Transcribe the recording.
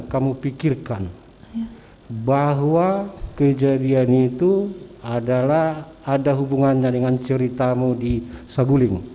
kamu pikirkan bahwa kejadian itu adalah ada hubungannya dengan ceritamu di saguling